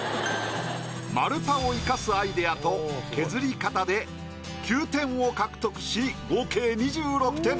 丸太を生かすアイデアと削り方で９点を獲得し合計２６点。